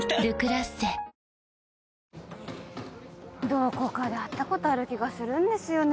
どこかで会ったことある気がするんですよね